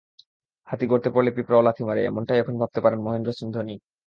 হাতি গর্তে পড়লে পিঁপড়াও লাথি মারে—এমনটাই এখন ভাবতে পারেন মহেন্দ্র সিং ধোনি।